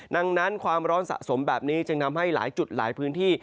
ดังนั้นความร้อนสะสมแบบนี้จึงทำให้หลายจุดหลายพื้นที่